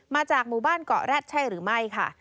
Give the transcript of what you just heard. มาจากหมู่บ้านเกาะแร็ดใช่หรือไม่ค่ะ